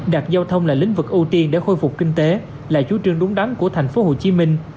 đạt giao thông là lĩnh vực ưu tiên để khôi phục kinh tế là chú trương đúng đắn của thành phố hồ chí minh